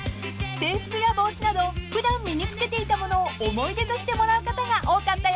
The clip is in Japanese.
［制服や帽子など普段身に着けていたものを思い出としてもらう方が多かったようです］